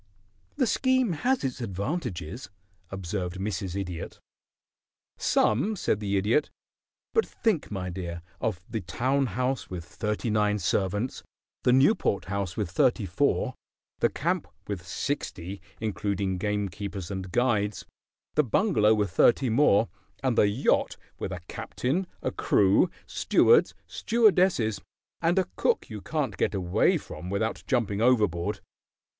"The scheme has its advantages," observed Mrs. Idiot. "Some," said the Idiot. "But think, my dear, of the town house with thirty nine servants; the Newport house with thirty four; the camp with sixty, including gamekeepers and guides; the bungalow with thirty more, and the yacht with a captain, a crew, stewards, stewardesses, and a cook you can't get away from without jumping overboard.